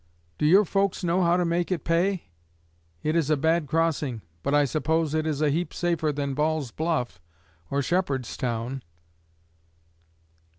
Do your folks know how to make it pay? It is a bad crossing, but I suppose it is a heap safer than Ball's Bluff or Shepherdstown.